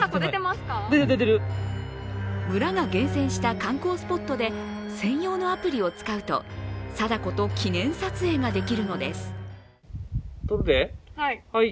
村が厳選した観光スポットで専用のアプリを使うと貞子と記念撮影ができるのです。